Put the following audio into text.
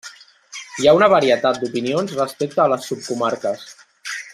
Hi ha una varietat d'opinions respecte a les subcomarques.